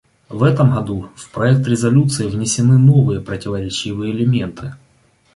В этом году в проект резолюции внесены новые противоречивые элементы.